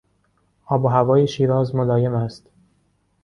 آب و هوای شیراز ملایم است.